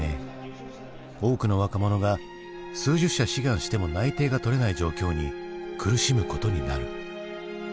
多くの若者が数十社志願しても内定が取れない状況に苦しむことになる。